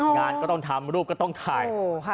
งานก็ต้องทำรูปก็ต้องถ่าย